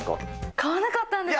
買わなかったんです。